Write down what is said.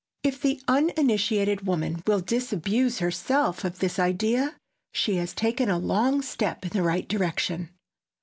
If the uninitiated woman will disabuse herself of this idea, she has taken a long step in the right direction.